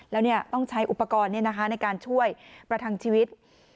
แล้วต้องใช้อุปกรณ์ในการช่วยประทังชีวิต